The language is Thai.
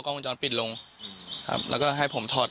ฟังเสียงลูกจ้างรัฐตรเนธค่ะ